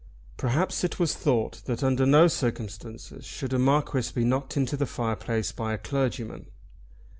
Perhaps it was thought that under no circumstances should a Marquis be knocked into the fireplace by a clergyman.